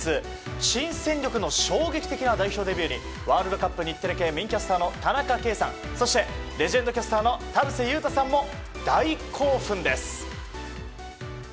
新戦力の衝撃的な代表デビューにワールドカップ日テレ系メインキャスターの田中圭さんそしてレジェンドキャスターの田臥勇太さんも大興奮です。